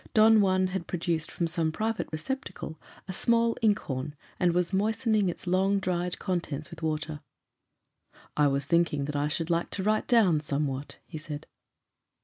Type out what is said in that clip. Don Juan had produced from some private receptacle a small ink horn, and was moistening its long dried contents with water. "I was thinking that I should like to write down somewhat," he said.